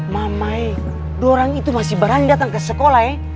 mamai dua orang itu masih berani datang ke sekolah